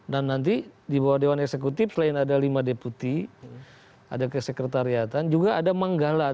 dan nanti dibawah dewan eksekutif selain ada lima deputi ada kesekretariatan juga ada manggala